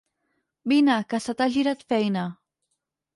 Vine, que se t'ha girat feina.